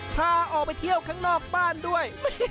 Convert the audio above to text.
พาออกไปเที่ยวข้างนอกบ้านด้วย